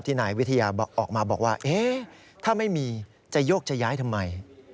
นายวิทยาออกมาบอกว่าถ้าไม่มีจะโยกจะย้ายทำไม